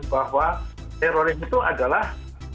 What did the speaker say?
bahwa teroris itu adalah